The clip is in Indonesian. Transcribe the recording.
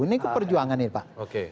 ini keperjuangan ini pak